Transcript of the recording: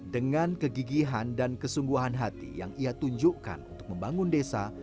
dengan kegigihan dan kesungguhan hati yang ia tunjukkan untuk membangun desa